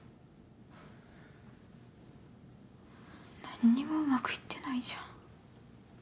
何にもうまくいってないじゃん。